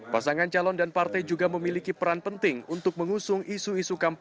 pasangan calon dan partai juga memiliki peran penting untuk mengusung isu isu kampanye